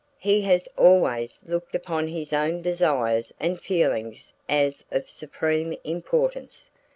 He has always looked upon his own desires and feelings as of supreme importance.